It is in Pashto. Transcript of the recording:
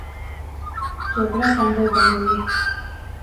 جګړه ښوونځي بندوي